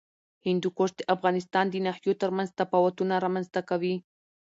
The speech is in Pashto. هندوکش د افغانستان د ناحیو ترمنځ تفاوتونه رامنځ ته کوي.